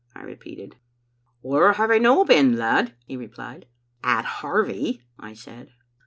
* I repeated. " 'Where have I no been, lad?' he replied. "'AtHarvie,' I said.